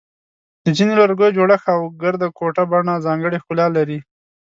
د ځینو لرګیو جوړښت او ګرده ګوټه بڼه ځانګړی ښکلا لري.